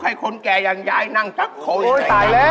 ให้คนแก่ยังย้ายนั่งจักเขาอย่างไรอะไรโอ้โฮตายแล้ว